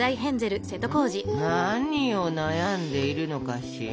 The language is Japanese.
何を悩んでいるのかしら？